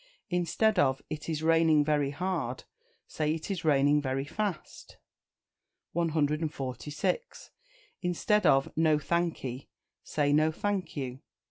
Instead of "It is raining very hard," say "It is raining very fast." 146. Instead of "No thankee," say "No thank you."